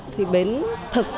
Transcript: thì bến thực